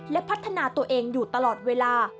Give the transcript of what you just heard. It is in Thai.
และพัฒนาตัวเองอยู่ตลอดเวลา